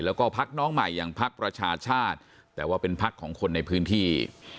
แล้วก็พักน้องใหม่อย่างพักประชาชาติแต่ว่าเป็นพักของคนในพื้นที่